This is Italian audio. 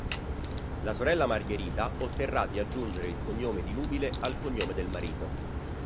La sorella Margherita otterrà di aggiungere il cognome di nubile al cognome del marito.